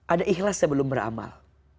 ada ikhlas sebelum beramal